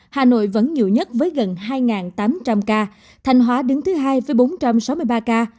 hà nội vẫn nhiều nhất với gần hai tám trăm linh ca thanh hóa đứng thứ hai với bốn trăm sáu mươi ba ca